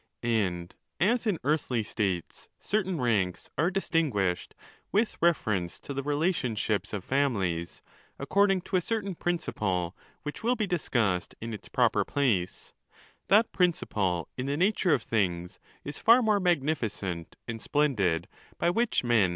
And, as in earthly states certain ranks are distinguished with reference to the relation ships of families, according to a certain principle which will be discussed in its proper place, that principle, in the nature ef things, is far more magnificent and splendid by which men ON THE LAWS.